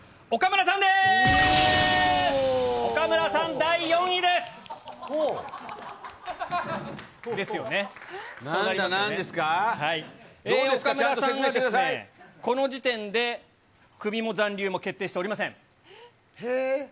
なんか、岡村さんですが、この時点で、クビも残留も決定しておりません。